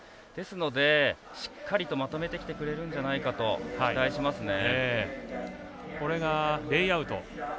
ですので、しっかりとまとめてきてくれるんじゃないかとこれがレイアウト。